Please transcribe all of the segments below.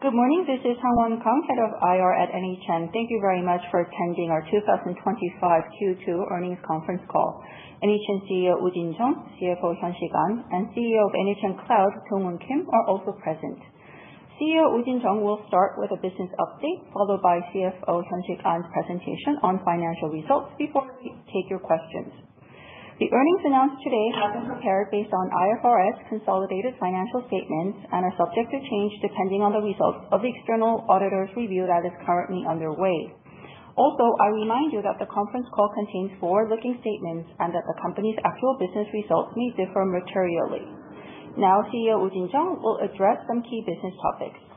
Good morning. This is Hangwon Kang, Head of IR at NHN. Thank you very much for attending our 2025 Q2 earnings conference call. NHN CEO Ujin Chung, CFO Hyun-Sik Ahn, and CEO of NHN Cloud, Kyungmoon Kim, are also present. CEO Ujin Chung will start with a business update, followed by CFO Hyun-Sik Ahn's presentation on financial results before we take your questions. The earnings announced today have been prepared based on IFRS consolidated financial statements and are subject to change depending on the results of the external auditor's review that is currently underway. Also, I remind you that the conference call contains forward-looking statements and that the company's actual business results may differ materially. Now, CEO Ujin Chung will address some key business topics.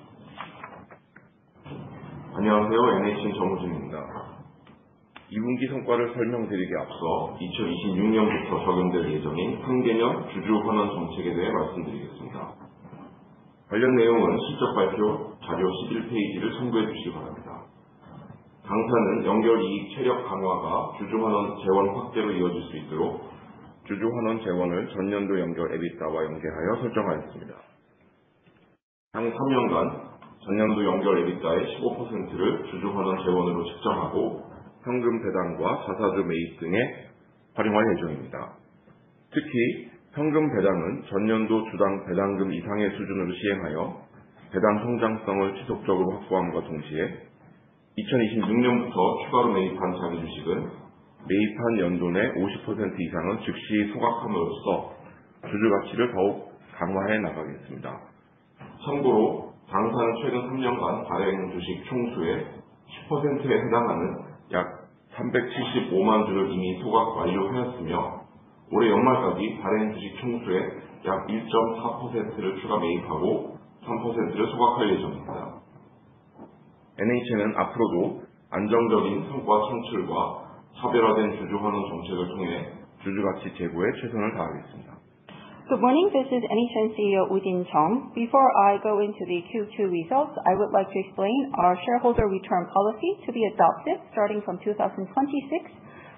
Good morning. This is NHN's CEO Ujin Chung. Before I go into the Q2 results, I would like to explain our shareholder return policy to be adopted starting from 2026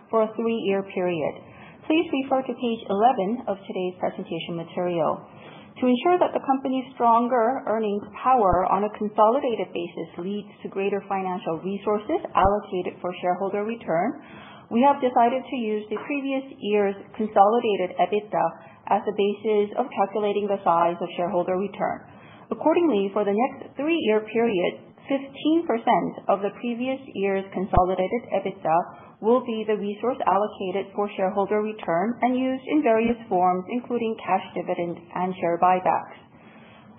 for a three-year period. Please refer to page 11 of today's presentation material. To ensure that the company's stronger earnings power on a consolidated basis leads to greater financial resources allocated for shareholder return, we have decided to use the previous year's consolidated EBITDA as the basis of calculating the size of shareholder return. Accordingly, for the next three-year period, 15% of the previous year's consolidated EBITDA will be the resource allocated for shareholder return and used in various forms, including cash dividends and share buybacks.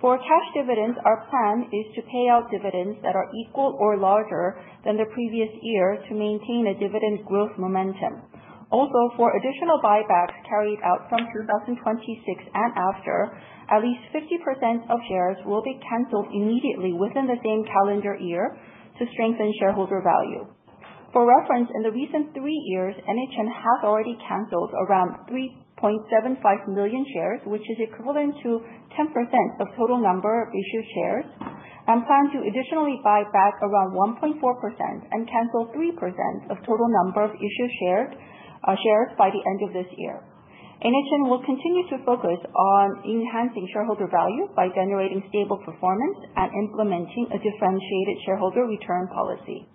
For cash dividends, our plan is to pay out dividends that are equal or larger than the previous year to maintain a dividend growth momentum. Also, for additional buybacks carried out from 2026 and after, at least 50% of shares will be canceled immediately within the same calendar year to strengthen shareholder value. For reference, in the recent three years, NHN has already canceled around 3.75 million shares, which is equivalent to 10% of total number of issued shares, and plan to additionally buy back around 1.4% and cancel 3% of total number of issued shares by the end of this year. NHN will continue to focus on enhancing shareholder value by generating stable performance and implementing a differentiated shareholder return policy.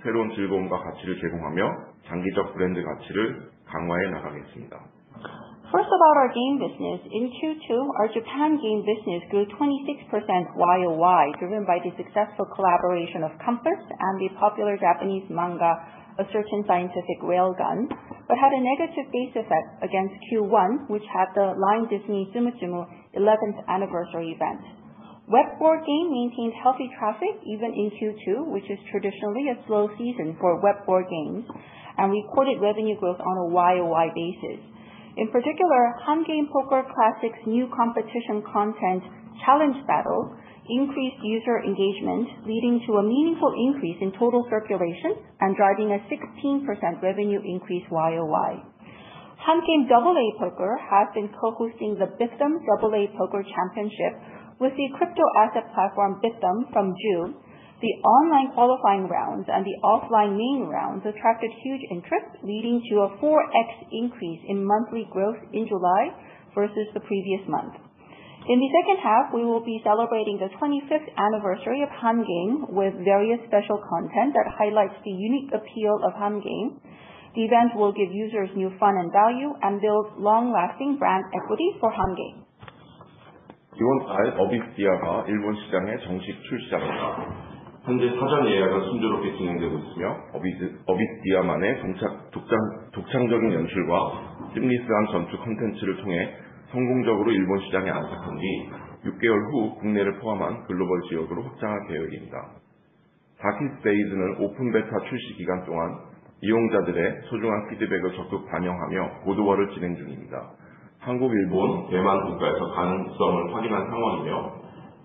First about our game business. In Q2, our Japan game business grew 26% YOY, driven by the successful collaboration of #COMPASS and the popular Japanese manga, "A Certain Scientific Railgun," but had a negative base effect against Q1, which had the LINE: Disney Tsum Tsum 11th anniversary event. Web board game maintained healthy traffic even in Q2, which is traditionally a slow season for web board games, and we quoted revenue growth on a year-over-year basis. In particular, Hangame Poker Classic's new competition content, Challenge Battle, increased user engagement, leading to a meaningful increase in total circulation and driving a 16% revenue increase year-over-year. Hangame Double A Poker has been co-hosting the Bithumb Double A Poker Championship with the crypto asset platform, Bithumb, from June. The online qualifying rounds and the offline main rounds attracted huge interest, leading to a 4x increase in monthly growth in July versus the previous month. In the second half, we will be celebrating the 25th anniversary of Hangame with various special content that highlights the unique appeal of Hangame. The event will give users new fun and value and build long-lasting brand equity for Hangame. 이번 달, "Abyss Dia"가 일본 시장에 정식 출시합니다. 현재 사전 예약은 순조롭게 진행되고 있으며, "Abyss Dia"만의 독창적인 연출과 심리스한 전투 콘텐츠를 통해 성공적으로 일본 시장에 안착한 뒤 6개월 후 국내를 포함한 글로벌 지역으로 확장할 계획입니다. "Darkest Bays"는 오픈 베타 출시 기간 동안 이용자들의 소중한 피드백을 적극 반영하며 고도화를 진행 중입니다. 한국, 일본, 대만 국가에서 가능성을 확인한 상황이며,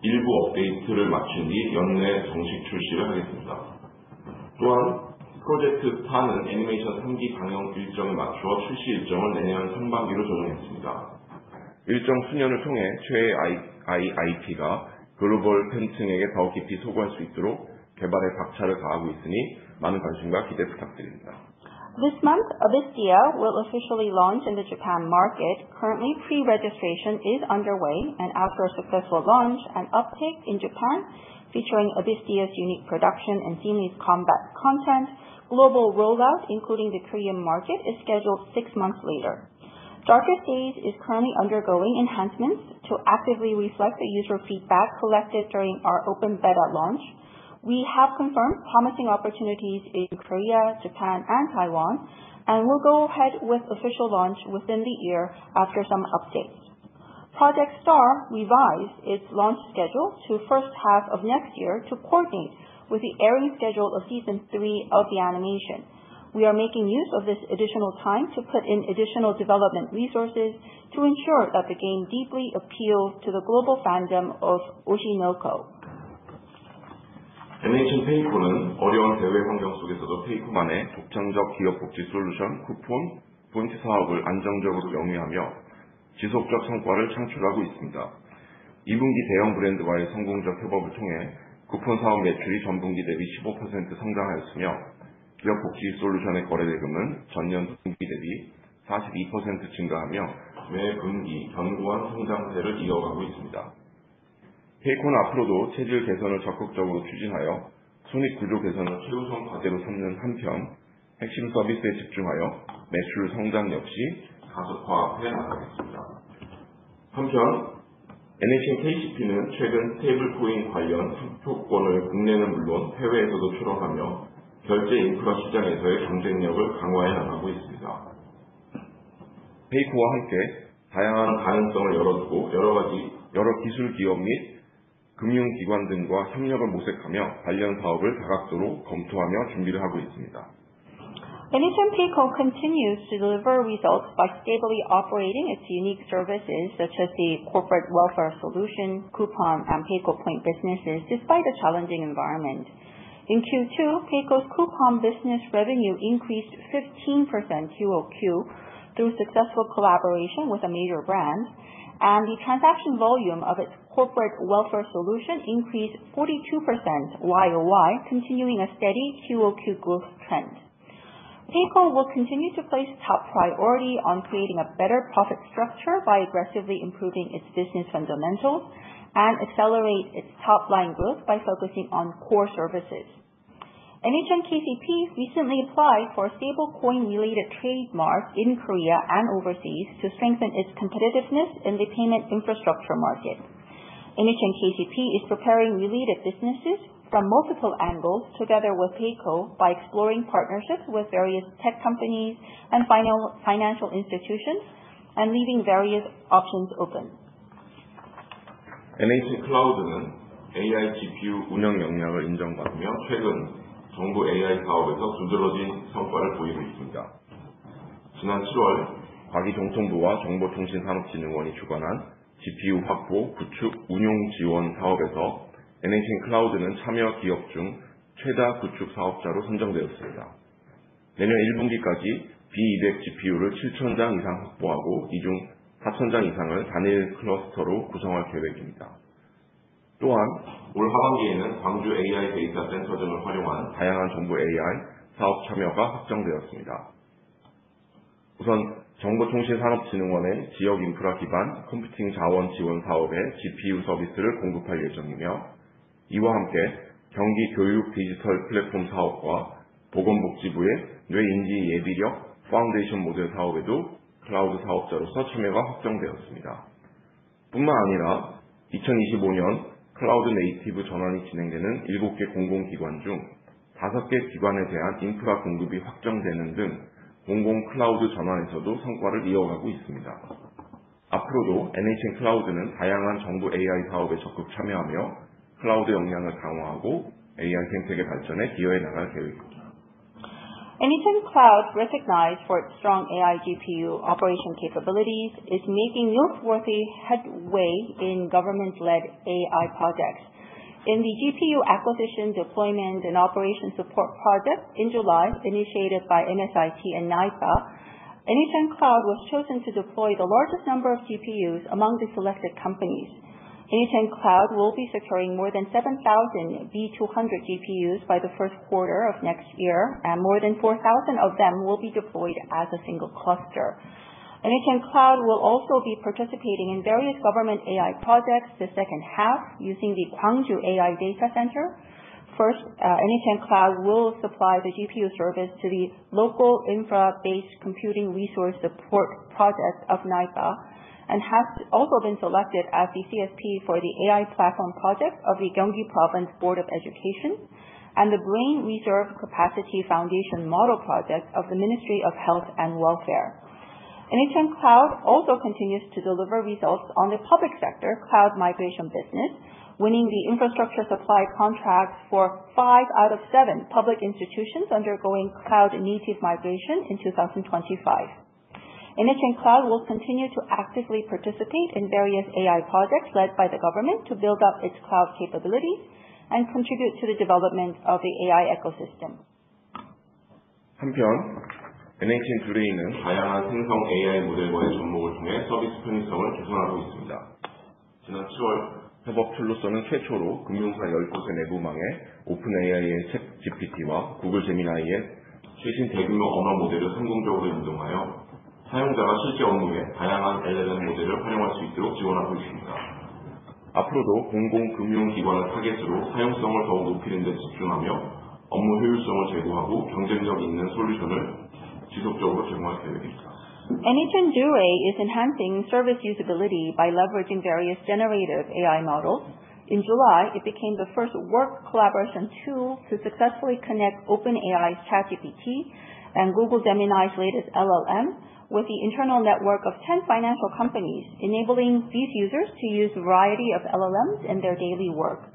일부 업데이트를 마친 뒤 연내에 정식 출시를 하겠습니다. 또한 Project STAR는 애니메이션 3기 방영 일정에 맞춰 출시 일정을 내년 상반기로 정리했습니다. 일정 순연을 통해 최애 IP가 글로벌 팬층에게 더 깊이 소구할 수 있도록 개발에 박차를 가하고 있으니 많은 관심과 기대 부탁드립니다. This month, Abyss Dia will officially launch in the Japan market. Currently, pre-registration is underway, and after a successful launch and uptake in Japan featuring Abyss Dia's unique production and seamless combat content, global rollout, including the Korean market, is scheduled six months later. Darkest Bays is currently undergoing enhancements to actively reflect the user feedback collected during our open beta launch. We have confirmed promising opportunities in Korea, Japan, and Taiwan, and will go ahead with official launch within the year after some updates. Project STAR revised its launch schedule to first half of next year to coordinate with the airing schedule of season 3 of the animation. We are making use of this additional time to put in additional development resources to ensure that the game deeply appeals to the global fandom of Oshi no Ko. NHN Payco는 어려운 대외 환경 속에서도 Payco만의 독창적 기업 복지 솔루션, 쿠폰, 포인트 사업을 안정적으로 영위하며 지속적 성과를 창출하고 있습니다. 2분기 대형 브랜드와의 성공적 협업을 통해 쿠폰 사업 매출이 전분기 대비 15% 성장하였으며, 기업 복지 솔루션의 거래 대금은 전년 동기 대비 42% 증가하며 매분기 견조한 성장세를 이어가고 있습니다. Payco는 앞으로도 체질 개선을 적극적으로 추진하여 수익 구조 개선을 최우선 과제로 삼는 한편, 핵심 서비스에 집중하여 매출 성장 역시 가속화해 나가겠습니다. 한편, NHN KCP는 최근 스테이블 코인 관련 상표권을 국내는 물론 해외에서도 출원하며 결제 인프라 시장에서의 경쟁력을 강화해 나가고 있습니다. Payco와 함께 다양한 가능성을 열어두고 여러 기술 기업 및 금융기관 등과 협력을 모색하며 관련 사업을 다각도로 검토하며 준비를 하고 있습니다. NHN Payco continues to deliver results by stably operating its unique services such as the corporate welfare solution, coupon, and PAYCO Point businesses, despite a challenging environment. In Q2, PAYCO's coupon business revenue increased 15% QOQ through successful collaboration with a major brand, and the transaction volume of its corporate welfare solution increased 42% YoY, continuing a steady QOQ growth trend. PAYCO will continue to place top priority on creating a better profit structure by aggressively improving its business fundamentals and accelerate its top-line growth by focusing on core services. NHN KCP recently applied for a stablecoin-related trademark in Korea and overseas to strengthen its competitiveness in the payment infrastructure market. NHN KCP is preparing related businesses from multiple angles together with PAYCO by exploring partnerships with various tech companies and financial institutions and leaving various options open. NHN Cloud는 AI GPU 운영 역량을 인정받으며 최근 정부 AI 사업에서 두드러진 성과를 보이고 있습니다. 지난 7월 과기정통부와 정보통신산업진흥원이 주관한 GPU 확보 구축 운용 지원 사업에서 NHN Cloud는 참여 기업 중 최다 구축 사업자로 선정되었습니다. 내년 1분기까지 B200 GPU를 7,000장 이상 확보하고, 이중 4,000장 이상을 단일 클러스터로 구성할 계획입니다. 또한 올 하반기에는 광주 AI 데이터 센터점을 활용한 다양한 정부 AI 사업 참여가 확정되었습니다. 우선 정보통신산업진흥원의 지역 인프라 기반 컴퓨팅 자원 지원 사업에 GPU 서비스를 공급할 예정이며, 이와 함께 경기교육 디지털 플랫폼 사업과 보건복지부의 뇌 인지 예비력 Foundation 모델 사업에도 클라우드 사업자로서 참여가 확정되었습니다. 뿐만 아니라 2025년 클라우드 네이티브 전환이 진행되는 7개 공공기관 중 5개 기관에 대한 인프라 공급이 확정되는 등 공공 클라우드 전환에서도 성과를 이어가고 있습니다. 앞으로도 NHN Cloud는 다양한 정부 AI 사업에 적극 참여하며 클라우드 역량을 강화하고 AI 생태계 발전에 기여해 나갈 계획입니다. NHN Cloud, recognized for its strong AI GPU operation capabilities, is making noteworthy headway in government-led AI projects. In the GPU acquisition, deployment, and operation support project in July initiated by MSIT and NIPA, NHN Cloud was chosen to deploy the largest number of GPUs among the selected companies. NHN Cloud will be securing more than 7,000 B200 GPUs by the first quarter of next year, and more than 4,000 of them will be deployed as a single cluster. NHN Cloud will also be participating in various government AI projects the second half using the Gwangju AI Data Center. First, NHN Cloud will supply the GPU service to the local infra-based computing resource support project of NIPA, and has also been selected as the CSP for the AI platform project of the Gyeonggi Provincial Office of Education, and the Brain Reserve Capacity Foundation Model project of the Ministry of Health and Welfare. NHN Cloud also continues to deliver results on the public sector cloud migration business, winning the infrastructure supply contracts for five out of seven public institutions undergoing cloud initiative migration in 2025. NHN Cloud will continue to actively participate in various AI projects led by the government to build up its cloud capabilities and contribute to the development of the AI ecosystem. NHN Dooray is enhancing service usability by leveraging various generative AI models. In July, it became the first work collaboration tool to successfully connect OpenAI's ChatGPT and Google Gemini's latest LLM with the internal network of 10 financial companies, enabling these users to use a variety of LLMs in their daily work.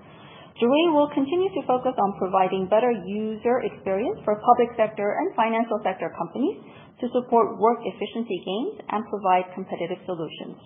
Dooray! will continue to focus on providing better user experience for public sector and financial sector companies to support work efficiency gains and provide competitive solutions.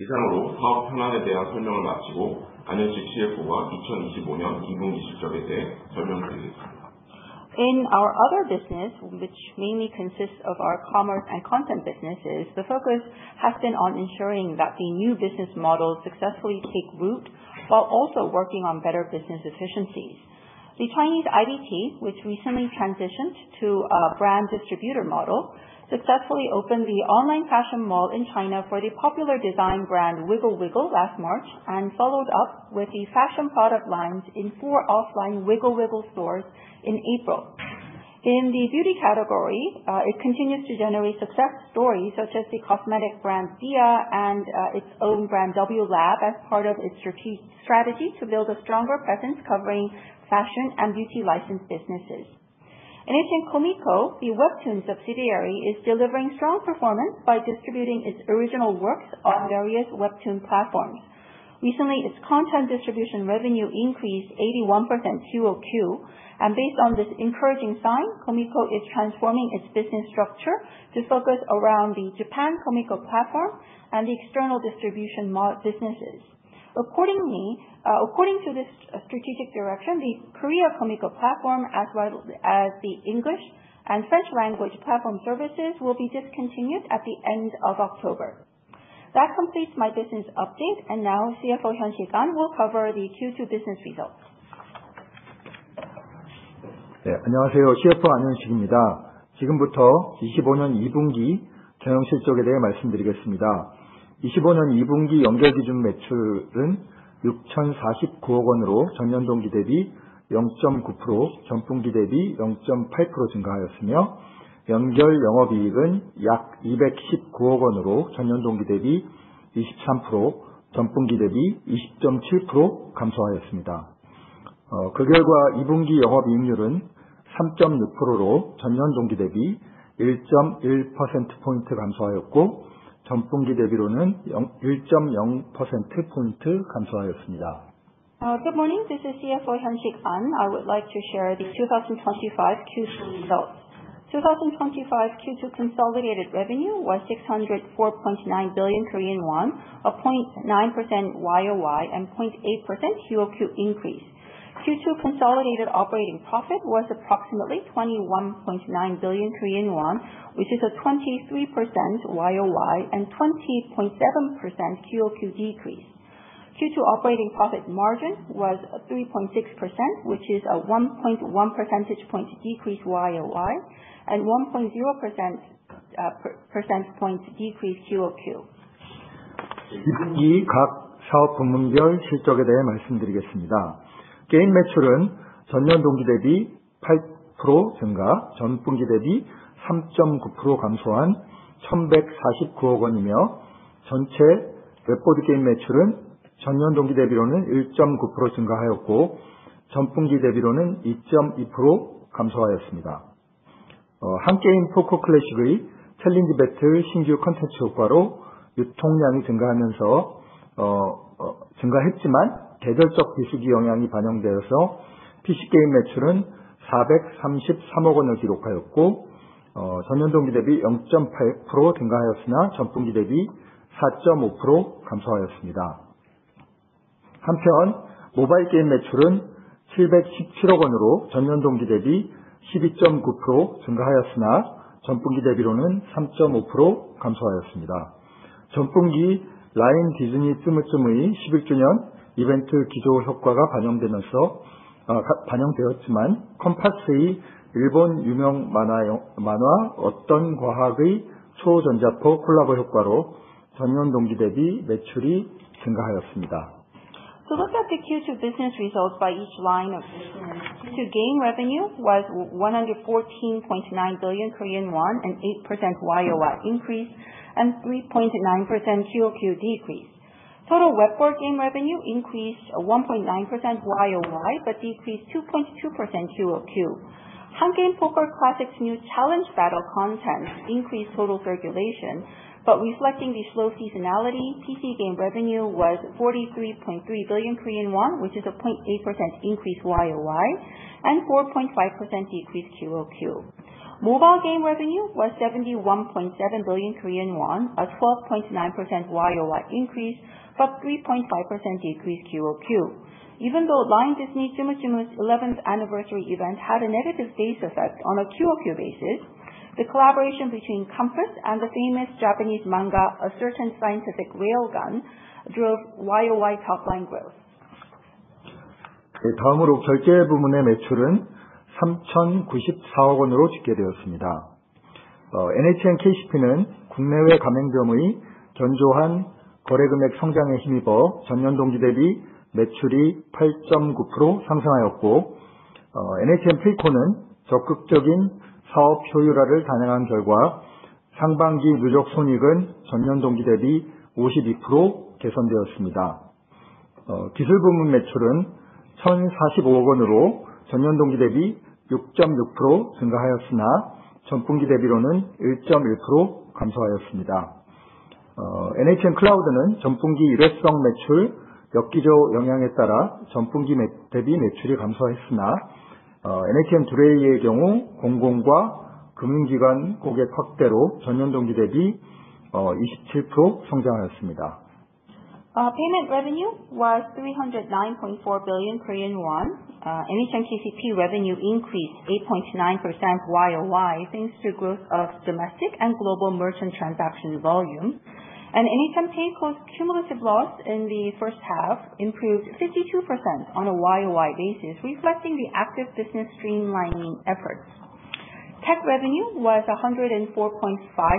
In our other business, which mainly consists of our commerce and content businesses, the focus has been on ensuring that the new business models successfully take root while also working on better business efficiencies. The Chinese IDT, which recently transitioned to a brand distributor model, successfully opened the online fashion mall in China for the popular design brand Wiggle Wiggle last March, and followed up with the fashion product lines in four offline Wiggle Wiggle stores in April. In the beauty category, it continues to generate success stories such as the cosmetic brand Ziaja and its own brand, W.Lab, as part of its strategy to build a stronger presence covering fashion and beauty license businesses. NHN Comico, the webtoon subsidiary, is delivering strong performance by distributing its original works on various webtoon platforms. Recently, its content distribution revenue increased 81% QOQ, and based on this encouraging sign, Comico is transforming its business structure to focus around the Japan Comico platform and the external distribution businesses. According to this strategic direction, the Korea Comico platform, as well as the English and French language platform services, will be discontinued at the end of October. That completes my business update, and now CFO Hyun-Sik Ahn will cover the Q2 business results. Good morning. This is CFO Hyun-Sik Ahn. I would like to share the 2025 Q2 results. 2025 Q2 consolidated revenue was 604.9 billion Korean won, a 0.9% YOY and 0.8% QOQ increase. Q2 consolidated operating profit was approximately 21.9 billion Korean won, which is a 23% YOY and 20.7% QOQ decrease. Q2 operating profit margin was 3.6%, which is a 1.1 percentage points decrease YOY and 1.0 percentage points decrease QOQ. Let's look at the Q2 business results by each line of business. Q2 game revenue was 114.9 billion Korean won, an 8% YOY increase and 3.9% QOQ decrease. Total web board game revenue increased 1.9% YOY but decreased 2.2% QOQ. Hangame Poker Classic's new Challenge Battle content increased total circulation, but reflecting the slow seasonality, PC game revenue was 43.3 billion Korean won, which is a 0.3% increase YOY and 4.5% QOQ decrease. Mobile game revenue was 71.7 billion Korean won, a 12.9% YOY increase, but 3.5% QOQ decrease. Even though LINE: Disney Tsum Tsum's 11th anniversary event had a negative base effect on a QOQ basis, the collaboration between #COMPASS and the famous Japanese manga, "A Certain Scientific Railgun," drove YOY top line growth. Payment revenue was 309.4 billion Korean won. NHN KCP revenue increased 8.9% YOY, thanks to growth of domestic and global merchant transaction volume. NHN Payco's cumulative loss in the first half improved 52% on a YOY basis, reflecting the active business streamlining efforts. Tech revenue was 104.5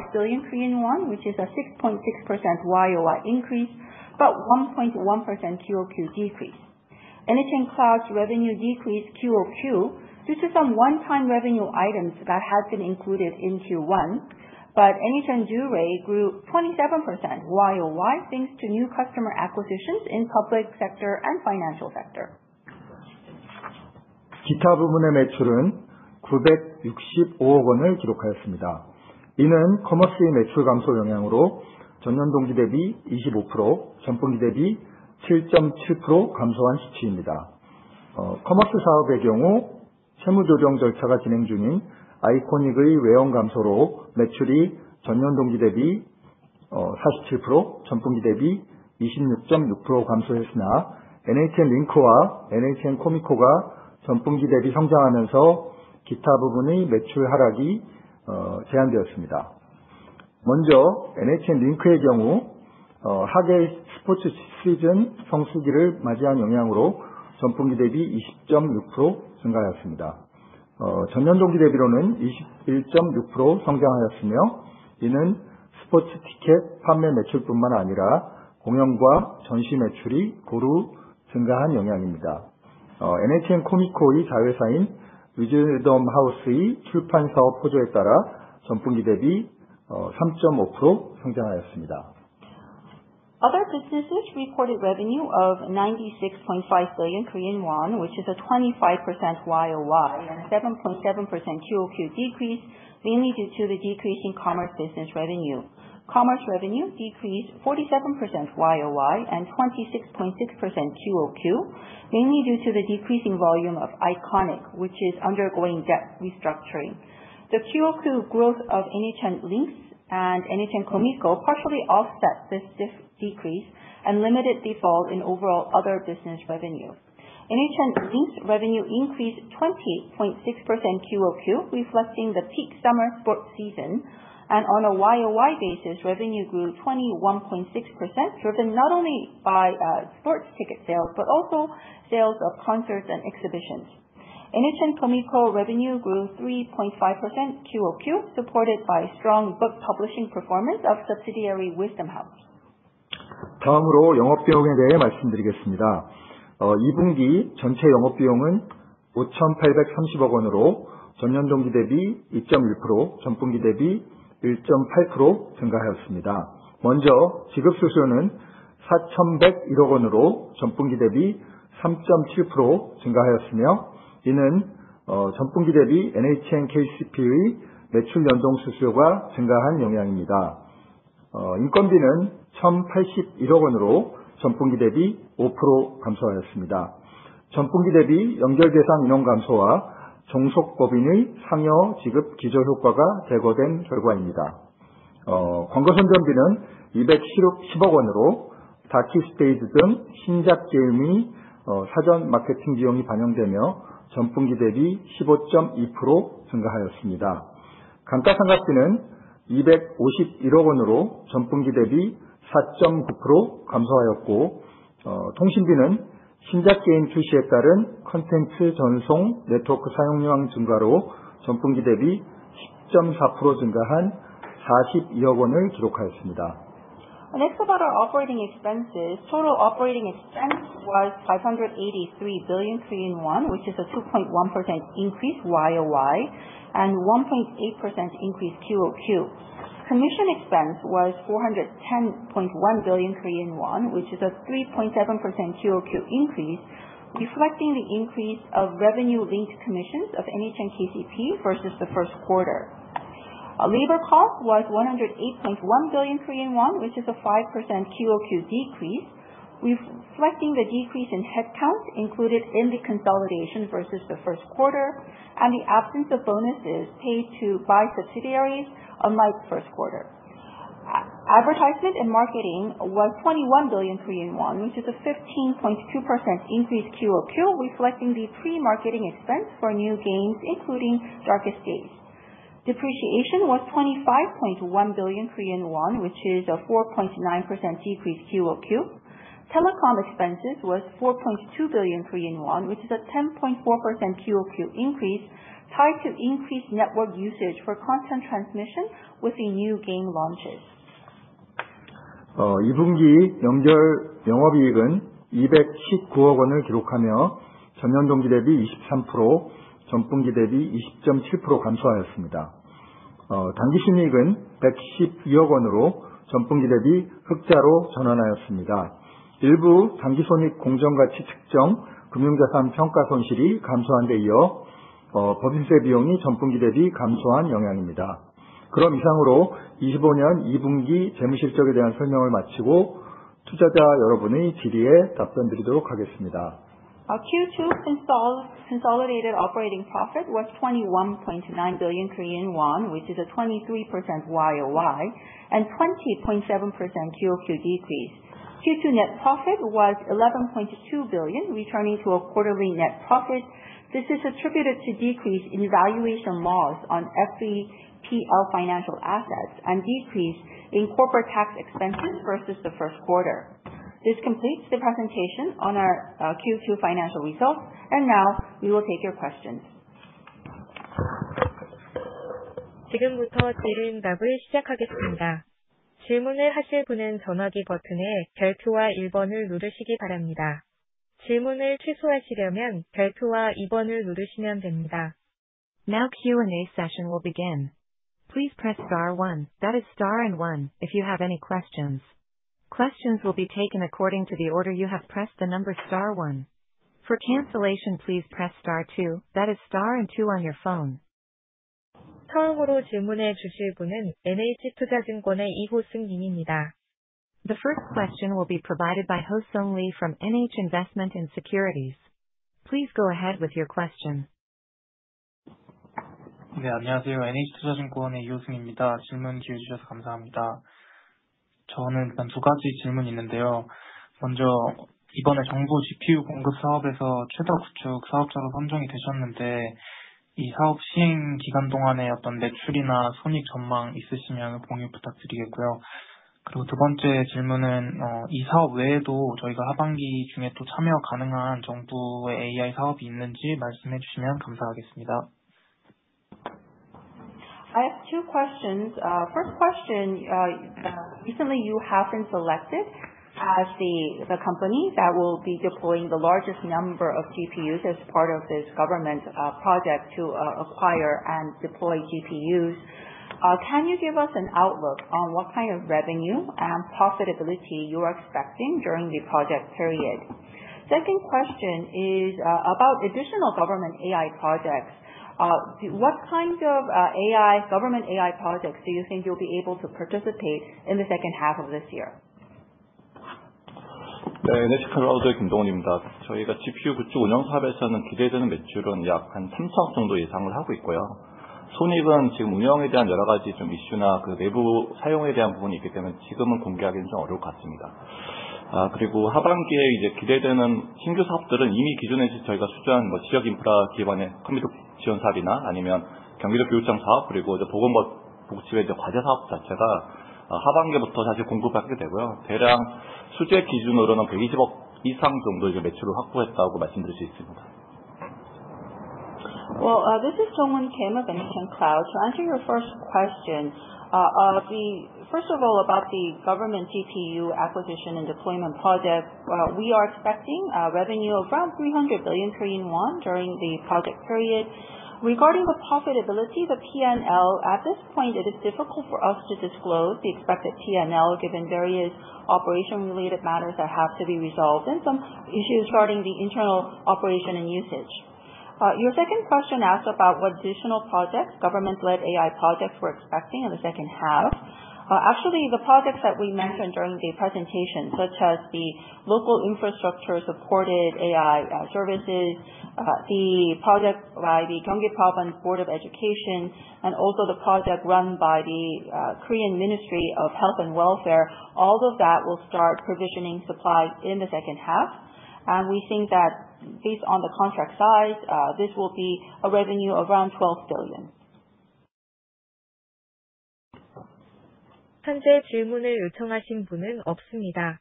billion Korean won, which is a 6.6% YOY increase, but 1.1% QOQ decrease. NHN Cloud's revenue decreased QOQ due to some one-time revenue items that had been included in Q1. NHN Dooray! grew 27% YOY, thanks to new customer acquisitions in public sector and financial sector. Other businesses reported revenue of 96.5 billion Korean won, which is a 25% YOY and 7.7% QoQ decrease, mainly due to the decrease in commerce business revenue. Commerce revenue decreased 47% YOY and 26.6% QoQ, mainly due to the decreasing volume of Iconic, which is undergoing debt restructuring. The QoQ growth of NHN LINK and NHN Comico partially offset this decrease and limited default in overall other business revenue. NHN LINKs revenue increased 20.6% QoQ, reflecting the peak summer sports season. On a YOY basis, revenue grew 21.6%, driven not only by sports ticket sales, but also sales of concerts and exhibitions. NHN Comico revenue grew 3.5% QoQ, supported by strong book publishing performance of subsidiary Wisdom House. 다음으로 영업비용에 대해 말씀드리겠습니다. 2분기 전체 영업비용은 5,830억원으로 전년 동기 대비 2.1%, 전분기 대비 1.8% 증가하였습니다. 먼저 지급수수료는 4,101억원으로 전분기 대비 3.7% 증가하였으며, 이는 전분기 대비 NHN KCP의 매출 연동 수수료가 증가한 영향입니다. 인건비는 1,081억원으로 전분기 대비 5% 감소하였습니다. 전분기 대비 연결 대상 인원 감소와 종속법인의 상여 지급 시절 효과가 제거된 결과입니다. 광고선전비는 210억원으로 다크에스테이트 등 신작 게임의 사전 마케팅 비용이 반영되며 전분기 대비 15.2% 증가하였습니다. 감가상각비는 251억원으로 전분기 대비 4.9% 감소하였고, 통신비는 신작 게임 출시에 따른 콘텐츠 전송 네트워크 사용량 증가로 전분기 대비 10.4% 증가한 42억원을 기록하였습니다. Next about our operating expenses. Total operating expense was 583 billion Korean won, which is a 2.1% increase YOY and 1.8% increase QoQ. Commission expense was 410.1 billion Korean won, which is a 3.7% QoQ increase, reflecting the increase of revenue linked commissions of NHN KCP versus the first quarter. Labor cost was 108.1 billion Korean won, which is a 5% QoQ decrease, reflecting the decrease in headcounts included in the consolidation versus the first quarter, and the absence of bonuses paid by subsidiaries unlike first quarter. Advertising and marketing was 21 billion Korean won, which is a 15.2% increase QoQ, reflecting the pre-marketing expense for new games, including Darkest Bays. Depreciation was 25.1 billion Korean won, which is a 4.9% decrease QoQ. Telecom expenses was 4.2 billion Korean won, which is a 10.4% QoQ increase, tied to increased network usage for content transmission with the new game launches. 2분기 연결 영업이익은 219억원을 기록하며 전년 동기 대비 23%, 전분기 대비 20.7% 감소하였습니다. 당기순이익은 112억원으로 전분기 대비 흑자로 전환하였습니다. 일부 당기손익 공정가치 측정 금융자산 평가 손실이 감소한 데 이어 법인세 비용이 전분기 대비 감소한 영향입니다. 그럼 이상으로 2025년 2분기 재무제표에 대한 설명을 마치고 투자자 여러분의 질의에 답변드리도록 하겠습니다. Our Q2 consolidated operating profit was 21.9 billion Korean won, which is a 23% YOY and 20.7% QoQ decrease. Q2 net profit was 11.2 billion, returning to a quarterly net profit. This is attributed to decrease in valuation losses on FVPL financial assets and decrease in corporate tax expenses versus the first quarter. This completes the presentation on our Q2 financial results. Now we will take your questions. 지금부터 질의응답을 시작하겠습니다. 질문을 하실 분은 전화기 버튼의 별표와 1번을 누르시기 바랍니다. 질문을 취소하시려면 별표와 2번을 누르시면 됩니다. Now Q&A session will begin. Please press star one. That is star and one, if you have any questions. Questions will be taken according to the order you have pressed the number star one. For cancellation, please press star two. That is star and two on your phone. 처음으로 질문해 주실 분은 NH투자증권의 이호승 님입니다. The first question will be provided by Hosung Lee from NH Investment & Securities. Please go ahead with your question. 네, 안녕하세요. NH투자증권의 이호승입니다. 질문 기회 주셔서 감사합니다. 저는 일단 두 가지 질문이 있는데요. 먼저 이번에 정부 GPU 공급 사업에서 최대 구축 사업자로 선정이 되셨는데, 이 사업 시행 기간 동안에 어떤 매출이나 손익 전망 있으시면 공유 부탁드리겠고요. 그리고 두 번째 질문은 이 사업 외에도 저희가 하반기 중에 또 참여 가능한 정부의 AI 사업이 있는지 말씀해 주시면 감사하겠습니다. I have two questions. First question, recently you have been selected as the company that will be deploying the largest number of GPUs as part of this government project to acquire and deploy GPUs. Can you give us an outlook on what kind of revenue and profitability you are expecting during the project period? Second question is about additional government AI projects. What kinds of government AI projects do you think you'll be able to participate in the second half of this year? 네, NHN Cloud의 김동훈입니다. 저희가 GPU 구축 운영 사업에서는 기대되는 매출은 약 3,000억 원 정도 예상을 하고 있고요. 손익은 지금 운영에 대한 여러 가지 이슈나 내부 사용에 대한 부분이 있기 때문에 지금은 공개하기는 좀 어려울 것 같습니다. 그리고 하반기에 기대되는 신규 사업들은 이미 기존에 저희가 투자한 지역 인프라 기반의 컴퓨팅 지원 사업이나 아니면 경기도 교육청 사업, 그리고 보건복지부의 과제 사업 자체가 하반기부터 공급하게 되고요. 대략 수주 기준으로는 120억 원 이상 정도의 매출을 확보했다고 말씀드릴 수 있습니다. Well, this is Jongwon Kim of NHN Cloud. To answer your first question, first of all, about the government GPU acquisition and deployment project, we are expecting revenue around 300 billion Korean won during the project period. Regarding the profitability, the P&L at this point, it is difficult for us to disclose the expected P&L given various operation related matters that have to be resolved and some issues regarding the internal operation and usage. Your second question asked about what additional projects government-led AI projects we're expecting in the second half. Actually, the projects that we mentioned during the presentation, such as the local infrastructure supported AI services, the project by the Gyeonggi Provincial Office of Education, and also the project run by the Korean Ministry of Health and Welfare, all of that will start provisioning supplies in the second half. We think that based on the contract size, this will be a revenue around 12 billion. 현재 질문을 요청하신 분은 없습니다.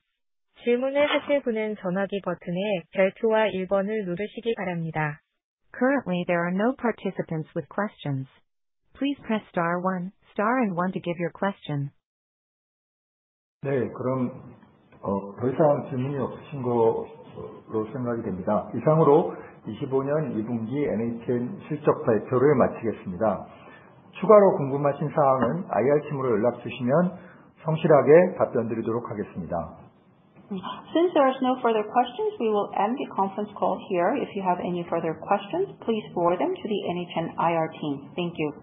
질문을 하실 분은 전화기 버튼의 별표와 1번을 누르시기 바랍니다. Currently there are no participants with questions. Please press star one and one to give your question. 네, 그럼 더 이상 질문이 없으신 거로 생각이 됩니다. 이상으로 25년 2분기 NHN 실적 발표를 마치겠습니다. 추가로 궁금하신 사항은 IR팀으로 연락 주시면 성실하게 답변드리도록 하겠습니다. Since there is no further questions, we will end the conference call here. If you have any further questions, please forward them to the NHN IR team. Thank you.